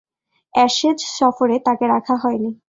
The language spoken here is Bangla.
অ্যাশেজ সফরে তাকে রাখা হয়নি।